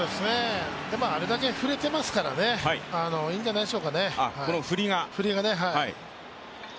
でも、あれだけ振れてますからいいんじゃないでしょうか。